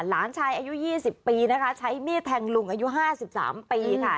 หลานชายอายุยี่สิบปีนะคะใช้มีดแทงลุงอายุห้าสิบสามปีค่ะ